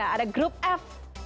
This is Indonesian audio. ada grup f